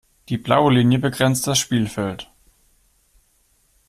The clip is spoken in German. Die blaue Linie begrenzt das Spielfeld.